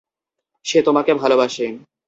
সে তোমাকে ভালোবাসে।